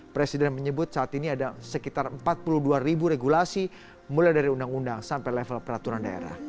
presiden menyebut saat ini ada sekitar empat puluh dua ribu regulasi mulai dari undang undang sampai level peraturan daerah